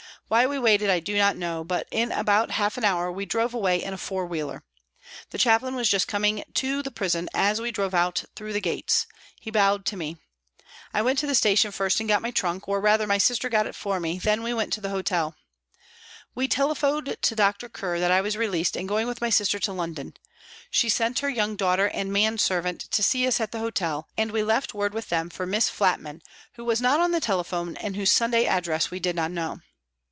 Why we waited I do not know, but in about half an hour we drove away in a four wheeler. The Chaplain was just coming in to the prison as we drove out through the gates ; he bowed to me. I went to the station first and got my trunk, or rather my sister got it for me, then we went to the hotel. WALTON GAOL, LIVERPOOL 295 We telephoned to Dr. Kerr that I was released and going with my sister to London. She sent her young daughter and man servant to see us at the hotel, and we left word with them for Miss Flatman, who was not on the telephone and whose Sunday address we did not know.